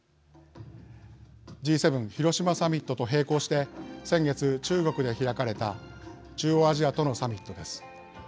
Ｇ７広島サミットと並行して先月、中国で開かれた中央アジアとのサミットです。